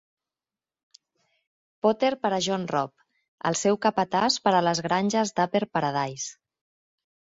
Potter per a John Robb, el seu capatàs per a les granges d'Upper Paradise.